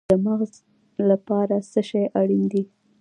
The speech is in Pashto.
د مغز لپاره څه شی اړین دی؟